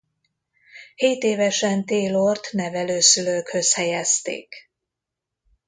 Hétévesen Taylor-t nevelőszülőkhöz helyezték.